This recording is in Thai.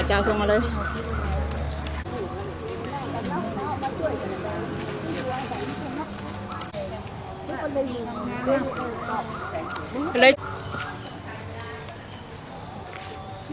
จ้าวจ้าวส่งมาเลย